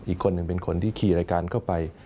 อีกคนหนึ่งเป็นคนที่ขี่รายการเข้าไป